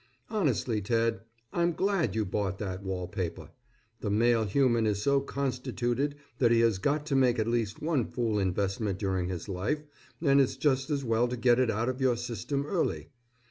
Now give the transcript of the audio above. Honestly, Ted, I'm glad you bought that wall paper. The male human is so constituted that he has got to make at least one fool investment during his life and it's just as well to get it out of your system early.